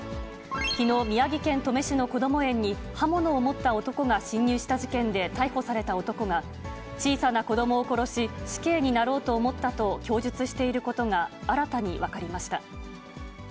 きのう、宮城県登米市のこども園に、刃物を持った男が侵入した事件で逮捕された男が、小さな子どもを殺し、死刑になろうと思ったと供述していることが、新たに分かりました。